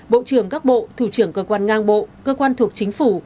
bộ trưởng các bộ thủ trưởng cơ quan ngang bộ cơ quan thuộc chính phủ